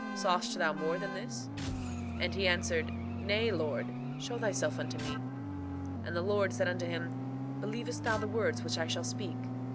Sawest thou more than this? 3:10 And he answered: Nay; Lord, show thyself unto me. 3:11 And the Lord said unto him: Believest thou the words which I shall speak?